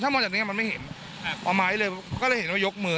มองจากเนี้ยมันไม่เห็นครับเอาไม้เลยก็เลยเห็นว่ายกมือ